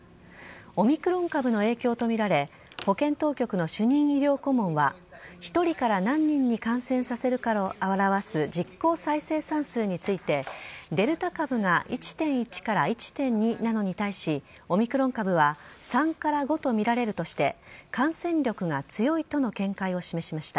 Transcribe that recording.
オミクロン株の影響とみられ保健当局の主任医療顧問は１人から何人に感染させるかを表す実効再生産数についてデルタ株が１．１から１．２なのに対しオミクロン株は３から５とみられるとして感染力が強いとの見解を示しました。